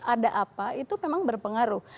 ada apa itu memang berpengaruh